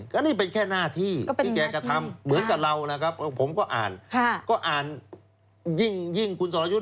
ก็นี่เป็นแค่หน้าที่ที่แกกระทำเหมือนกับเรานะครับผมก็อ่านก็อ่านยิ่งคุณสรยุทธ์